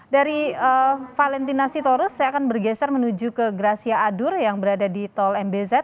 dari valentina sitorus saya akan bergeser menuju ke gracia adur yang berada di tol mbz